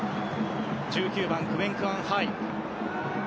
１９番のグエン・クアン・ハイ。